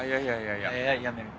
いややめる。